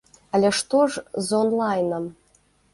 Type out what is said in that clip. Але што з онлайнам?